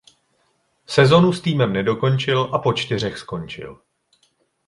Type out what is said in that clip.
Sezonu s týmem nedokončil a po čtyřech skončil.